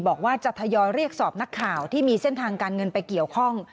บอกว่าจะทยอยเรียกสอบนักข่าวที่มีเส้นทางการเงินไปเกี่ยวข้อง